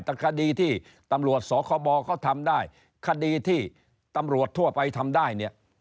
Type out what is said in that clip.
แต่คดีที่ตำรวจสคบเขาทำได้คดีที่ตำรวจทั่วไปทำได้เนี่ย